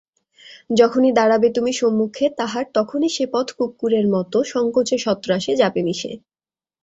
যখনি দাঁড়াবে তুমি সম্মুখে তাহার তখনি সেপথকুক্কুরের মতো সংকোচে সত্রাসে যাবে মিশে।